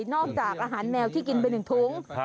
นอกจากอาหารแมวที่กินเป็น๑ทุ้ง